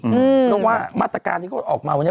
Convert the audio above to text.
เพราะต้องว่ามาตรการที่ต้องไปออกมาวันนี้